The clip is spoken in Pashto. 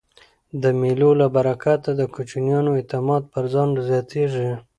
د مېلو له برکته د کوچنیانو اعتماد پر ځان زیاتېږي.